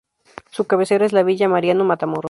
Su cabecera es la Villa Mariano Matamoros.